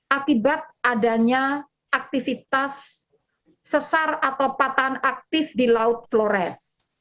akibat adanya aktivitas sesar atau patahan aktif di laut flores